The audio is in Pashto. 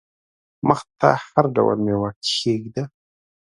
مخ ته هر ډول مېوه کښېږده !